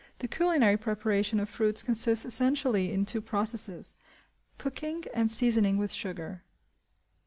The culinary preparation of fruits consists essentially in two processes: cooking, and seasoning with sugar.